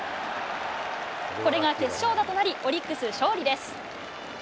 これが決勝打となり、オリックス勝利です。